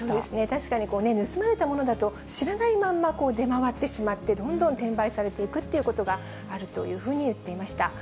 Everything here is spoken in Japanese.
確かに盗まれたものだと知らないまま出回ってしまって、どんどん転売されていくっていうことがあるというふうに言っていました。